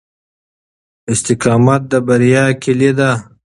استقامت د بریا کیلي ده.